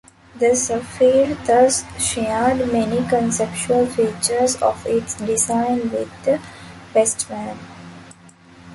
The Safir thus shared many conceptual features of its design with the Bestmann.